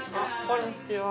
こんにちは。